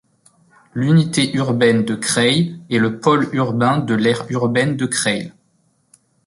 L'unité urbaine de Creil est le pôle urbain de l'aire urbaine de Creil.